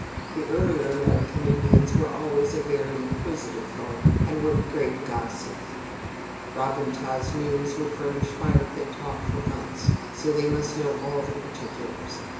The earlier American Indians were always a very inquisitive folk, and were great gossips. Ra bun ta's news would furnish fire pit talk for months, so they must know all the particulars.